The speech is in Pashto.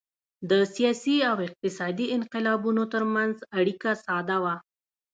د سیاسي او اقتصادي انقلابونو ترمنځ اړیکه ساده وه